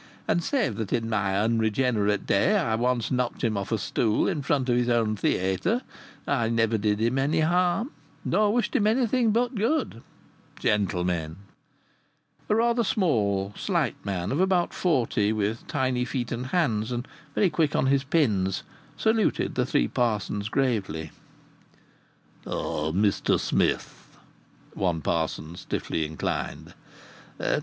"And yet save that in my unregenerate day I once knocked him off a stool in front of his own theayter, I never did him harm nor wished him anything but good.... Gentlemen!" A rather small, slight man of about forty, with tiny feet and hands, and "very quick on his pins," saluted the three parsons gravely. "Mr Smith!" one parson stiffly inclined.